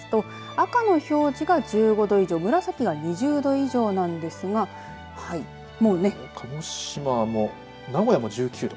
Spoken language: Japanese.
赤の表示が１５度以上紫が２０度以上なんですが鹿児島も名古屋も１９度。